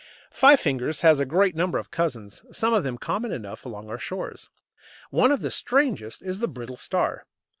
Five fingers has a great number of cousins, some of them common enough along our shores. One of the strangest is the Brittle Star.